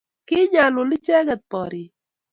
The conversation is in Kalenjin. kiinyalul icheke borye